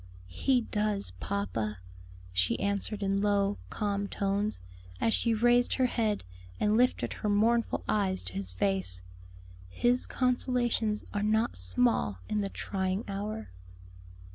"He does, papa," she answered in low, calm tones, as she raised her head and lifted her mournful eyes to his face; "His consolations are not small in the trying hour."